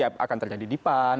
akan terjadi di pan